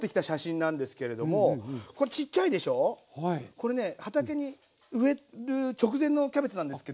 これね畑に植える直前のキャベツなんですけど。